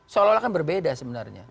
seolah olah kan berbeda sebenarnya